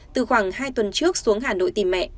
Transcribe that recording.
từ khoảng hai tuần trước xuống hà nội tìm mẹ